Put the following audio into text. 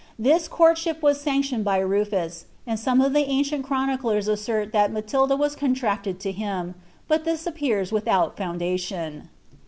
This courtship was sanc tioned by Rufus, and some of the ancient chroniclers assert that 3Iatilda was contracted to him, but this appears without foundation.